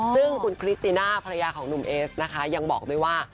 ซึ่งคุณคริสติน่าภรรยาของหนุ่มเอสนะคะยังบอกด้วยว่า